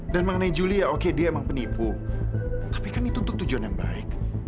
dan mengenai juli ya oke dia emang penipu tapi kan itu untuk tujuan yang baik